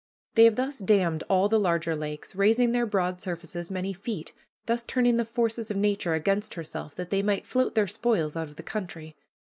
They have thus dammed all the larger lakes, raising their broad surfaces many feet, thus turning the forces of Nature against herself, that they might float their spoils out of the country.